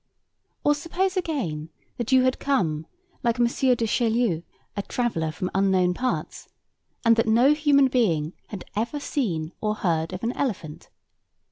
Or suppose again, that you had come, like M. Du Chaillu, a traveller from unknown parts; and that no human being had ever seen or heard of an elephant.